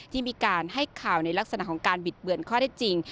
ที่มีการให้ข่าวในลักษณะของการบิดเบือนข้อได้จริง